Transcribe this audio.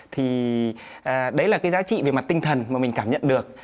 thì đấy là cái giá trị về mặt tinh thần mà mình cảm nhận được